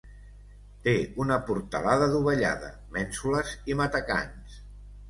Té una portalada dovellada, mènsules i matacans.